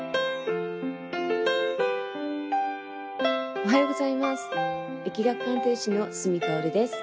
おはようございます易学鑑定士の角かおるです